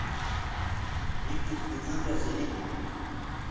mikus puchukas sirikuy